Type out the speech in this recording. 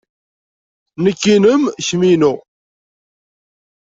Nekk inem, kemm inu.